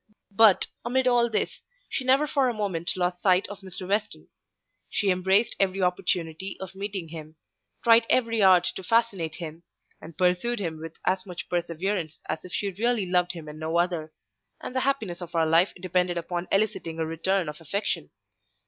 But, amid all this, she never for a moment lost sight of Mr. Weston. She embraced every opportunity of meeting him, tried every art to fascinate him, and pursued him with as much perseverance as if she really loved him and no other, and the happiness of her life depended upon eliciting a return of affection.